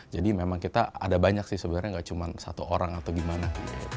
jadi memang kita ada banyak sih sebenarnya nggak cuma satu orang atau gimana